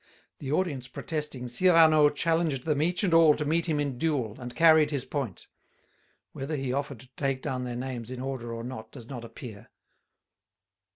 The audience protesting, Cyrano challenged them each and all to meet him in duel, and carried his point. Whether he offered to take down their names in order or not, does not appear.